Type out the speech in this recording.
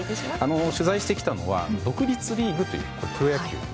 取材してきたのは独立リーグという。